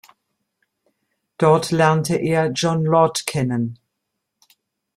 Dort lernte er Jon Lord kennen.